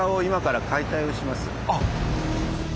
あっ！